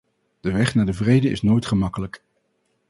De weg naar de vrede is nooit gemakkelijk.